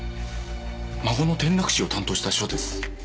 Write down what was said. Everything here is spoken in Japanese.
孫の転落死を担当した署です。